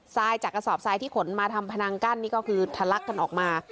รายจากกระสอบทรายที่ขนมาทำพนังกั้นนี่ก็คือทะลักกันออกมา